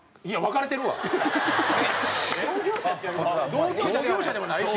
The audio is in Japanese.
同業者でもないし。